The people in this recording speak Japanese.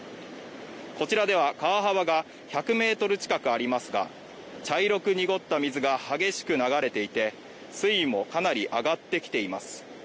こちらでは川幅が１００メートル近くありますが茶色く濁った水が激しく流れていて水位もかなり上がってきています